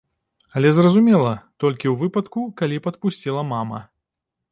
Але, зразумела, толькі ў выпадку, калі б адпусціла мама.